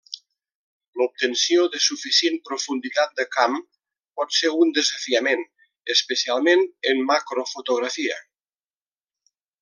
L'obtenció de suficient profunditat de camp pot ser un desafiament, especialment en macrofotografia.